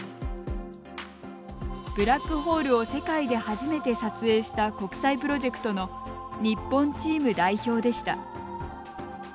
ブラックホールを世界で初めて撮影した国際プロジェクトの日本チーム代表でした。